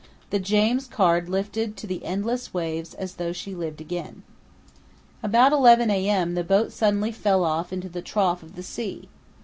The James Caird lifted to the endless waves as though she lived again. About 11 a.m. the boat suddenly fell off into the trough of the sea.